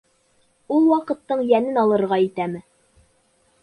Ул ваҡыттың йәнен алырға итәме!